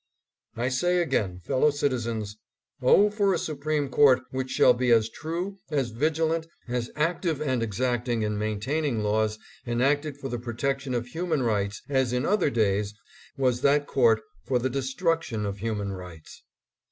667 I say again, fellow citizens, Oh, for a Supreme Court which shall be as true, as vigilant, as active and exact ing in maintaining laws enacted for the protection of human rights, as in other days was that court for the destruction of human rights